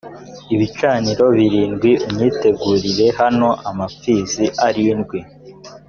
ibicaniro birindwi unyitegurire hano amapfizi arindwi